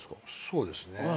そうですね。